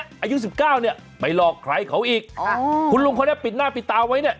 อายุสิบเก้าเนี่ยไปหลอกใครเขาอีกอ๋อคุณลุงคนนี้ปิดหน้าปิดตาไว้เนี่ย